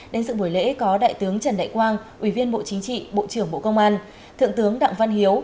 đến sự buổi lễ có đại tướng trần đại quang ủy viên bộ chính trị bộ trưởng bộ công an thượng tướng đặng văn hiếu